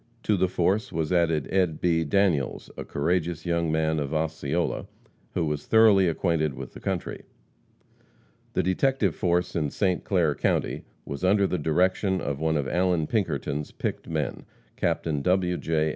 To the force was added Ed. B. Daniels, a courageous young man of Osceola, who was thoroughly acquainted with the country. The detective force in St. Clair county was under the direction of one of Allan Pinkerton's picked men, Captain W. J.